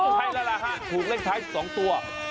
ใช่แล้วล่ะฮะถูกเลขท้าย๒ตัว